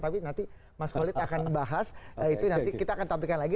tapi nanti mas khalid akan bahas itu nanti kita akan tampilkan lagi